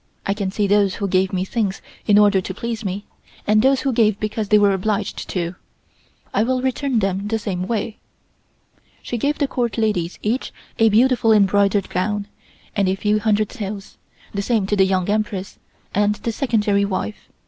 I can see those who gave me things in order to please me, and those who gave because they were obliged to. I will return them the same way." She gave the Court ladies each a beautiful embroidered gown and a few hundred taels, the same to the Young Empress and the Secondary wife.